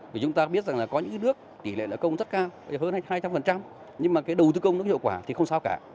vì chúng ta biết rằng là có những nước tỷ lệ nợ công rất cao hơn hay hai trăm linh nhưng mà cái đầu tư công nó hiệu quả thì không sao cả